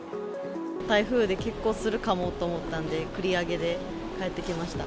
台風で欠航するかもと思ったんで、繰り上げで帰ってきました。